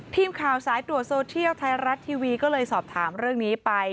ทีมข่าวสายตรวจโซเทียลไทยรัฐทีวีก็เลยสอบถามเรื่องนี้ไป